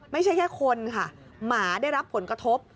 ไม่ใช่แค่คนค่ะหมาได้รับผลกระทบ